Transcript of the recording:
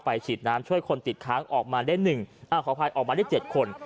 ฉีดน้ำช่วยคนติดค้างออกมาได้๑ขออภัยออกมาได้๗คน